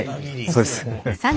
そうです。